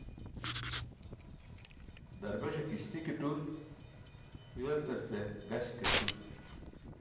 Darbeṣe kiśti ke tur, huyaltarce gaśk ke c̣ʰur.